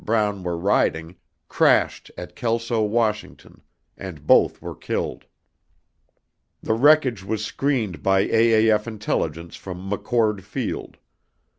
BROWN WERE RIDING, CRASHED AT KELSO, WASH. AND BOTH WERE KILLED. THE WRECKAGE WAS SCREENED BY AAF INTELLIGENCE FROM MCCHORD FIELD.